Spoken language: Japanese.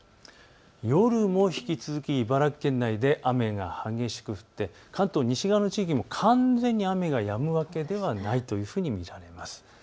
夜も引き続き茨城県内で雨が激しく降って関東西側の地域も完全に雨がやむわけではないというふうに見られます。